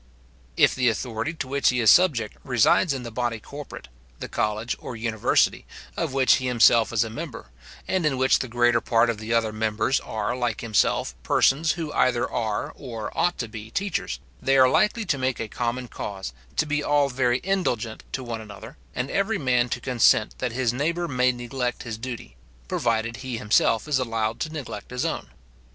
If the authority to which he is subject resides in the body corporate, the college, or university, of which he himself is a member, and in which the greater part of the other members are, like himself, persons who either are, or ought to be teachers, they are likely to make a common cause, to be all very indulgent to one another, and every man to consent that his neighbour may neglect his duty, provided he himself is allowed to neglect his own.